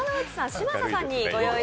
嶋佐さんに。